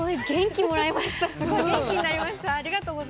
すごい元気になりました。